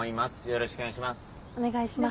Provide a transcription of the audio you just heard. よろしくお願いします。